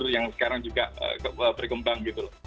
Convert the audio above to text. yang sekarang juga berkembang